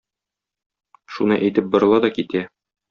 Шуны әйтеп борыла да китә.